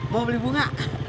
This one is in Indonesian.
mau beli bunga